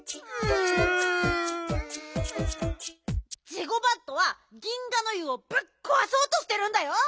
ジゴバットは銀河ノ湯をぶっこわそうとしてるんだよ。